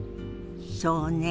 そうね。